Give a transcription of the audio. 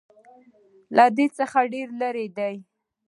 له ده څخه ډېر لرې دي.